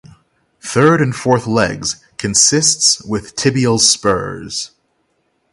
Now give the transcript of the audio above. Third and fourth legs consists with tibial spurs.